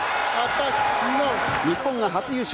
日本が初優勝。